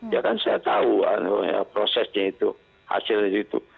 ya kan saya tahu prosesnya itu hasilnya itu